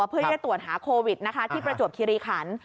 เพื่อจะตรวจหาโควิดนะคะที่ประจวบคิริขัน